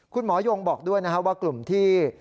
คุณหมอยงบอกด้วยนะครับว่ากลุ่มที่